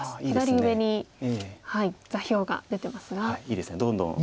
左上に座標が出てますが。